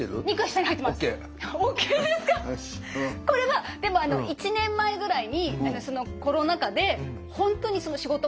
これはでもあの１年前ぐらいにコロナ禍で本当にそのへえ。